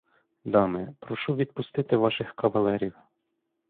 Дами, прошу відпустити ваших кавалерів.